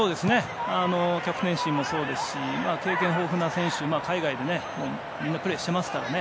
キャプテンシーもそうですし経験豊富な選手はみんな海外でプレーしていますからね。